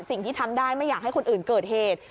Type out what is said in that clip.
สิ่งที่ทำได้ไม่อยากให้คนอื่นเกิดเหตุ